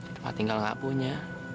tempat tinggal gak punya